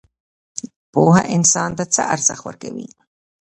پوهه انسان ته څه ارزښت ورکوي؟